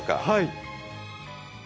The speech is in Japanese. はい。